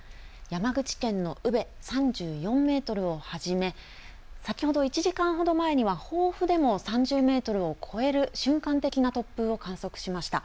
山口県の宇部３４メートルをはじめ、先ほど１時間ほど前には防府でも３０メートルを超える瞬間的な突風を観測しました。